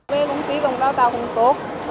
về công ty công trao tạo cũng tốt